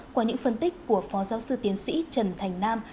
qua những phân tích của phó giáo sư tiến sĩ trần thành nam